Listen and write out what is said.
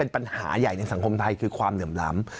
ปัญหาใหญ่ในสังคมไทยคือความเหลื่อมล้ำ